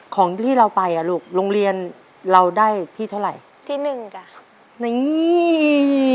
ของที่เราไปอ่ะลูกโรงเรียนเราได้ที่เท่าไหร่ที่หนึ่งจ้ะในนี้